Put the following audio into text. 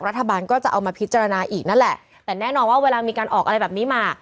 รัฐบาลก็จะเอามาพิจารณาอีกนั่นแหละแต่แน่นอนว่าเวลามีการออกอะไรแบบนี้มา